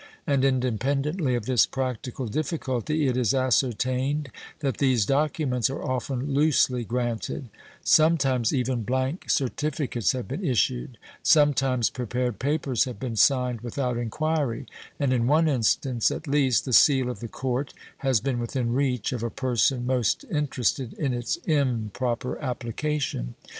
And independently of this practical difficulty, it is ascertained that these documents are often loosely granted; some times even blank certificates have been issued; some times prepared papers have been signed without inquiry, and in one instance, at least, the seal of the court has been within reach of a person most interested in its improper application.